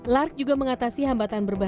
lark juga mengatasi hambatan berbahaya